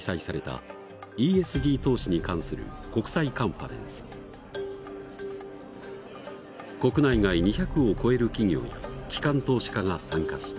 国内外２００を超える企業や機関投資家が参加した。